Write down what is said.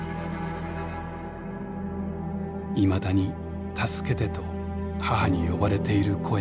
「いまだに『助けて』と母に呼ばれている声がします」。